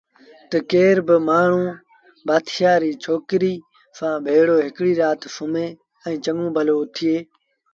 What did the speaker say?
تا ڪير با مآڻهوٚٚݩ بآتشآ ريٚ ڇوڪريٚ سآݩ ڀيڙو هڪڙيٚ رآت سُمهي چڱون ڀلو اُٿيٚو